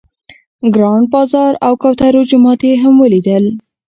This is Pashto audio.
ګرانډ بازار او کوترو جومات یې هم ولیدل.